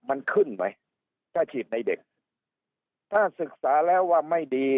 มันขึ้นไหมถ้าฉีดในเด็กถ้าศึกษาแล้วว่าไม่ดี